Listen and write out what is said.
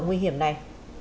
nguy hiểm này